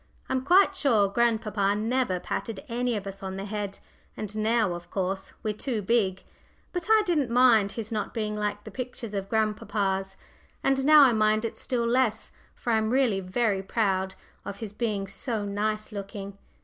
I'm quite sure grandpapa never patted any of us on the head; and now, of course, we're too big. But I didn't mind his not being like the pictures of grandpapas, and now I mind it still less, for I'm really proud of his being so nice looking.